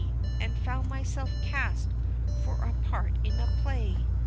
And found myself cast for a part in a play.